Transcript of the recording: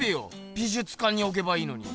美術館におけばいいのに。